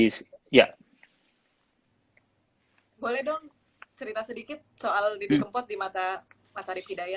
boleh dong cerita sedikit soal didi kempot di mata mas arief hidayat